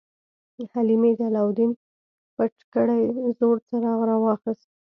حلیمې د علاوالدین پټ کړی زوړ څراغ راواخیست.